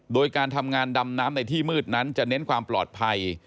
โดยการทำงานดำน้ำในที่มืดนั้นจะเน้นความปลอดภัย